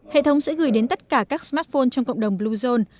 hệ thống sẽ gửi đến tất cả các smartphone trong cộng đồng bluezone